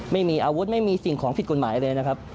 ไม่มีอาวุธไม่มีสิ่งของผิดกฎหมายเลยนะครับ